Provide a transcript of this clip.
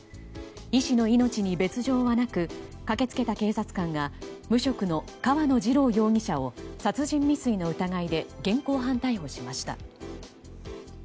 医師の命に別条はなく駆けつけた警察官が無職の川野二郎容疑者を殺人未遂の疑いで現行犯逮捕しました。